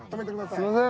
すみません。